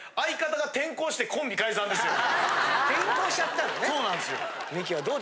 転校しちゃったんだね。